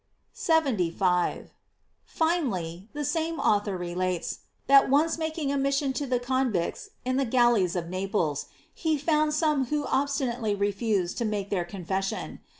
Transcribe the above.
75. — Finally, the same author relates, that once making a mission to the convicts in the galleys of Naples, he found some who obstinately refus ed to make their confession.